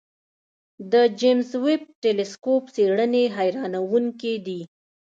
د جیمز ویب ټېلسکوپ څېړنې حیرانوونکې دي.